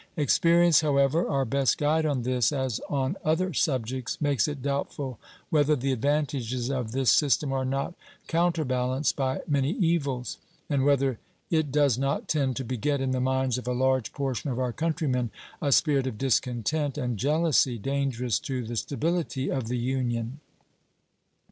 Experience, however, our best guide on this as on other subjects, makes it doubtful whether the advantages of this system are not counter balanced by many evils, and whether it does not tend to beget in the minds of a large portion of our country men a spirit of discontent and jealousy dangerous to the stability of the Union.